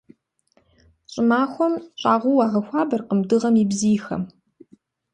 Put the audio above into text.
ЩӀымахуэм щӀагъуэ уагъэхуабэркъым дыгъэм и бзийхэм.